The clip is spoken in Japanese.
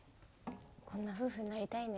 こんな夫婦になりたいね。